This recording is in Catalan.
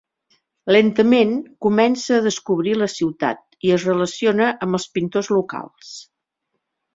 Lentament, comença a descobrir la ciutat i es relaciona amb els pintors locals.